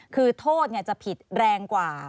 คือโทษจะผิดแรงกว่า